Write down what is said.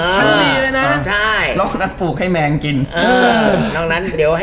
กินขนาดแบบชั้นนี้เลยนะ